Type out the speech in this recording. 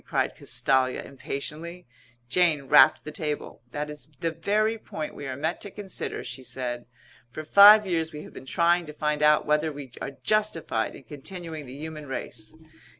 cried Castalia, impatiently. Jane rapped the table. "That is the very point we are met to consider," she said. "For five years we have been trying to find out whether we are justified in continuing the human race.